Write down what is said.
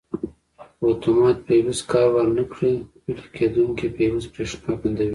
که اتومات فیوز کار ور نه کړي ویلې کېدونکی فیوز برېښنا بندوي.